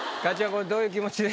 これどういう気持ちで？